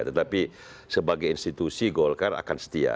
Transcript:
tetapi sebagai institusi golkar akan setia